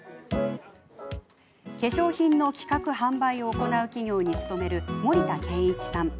化粧品の企画、販売を行う企業に勤める森田健一さん。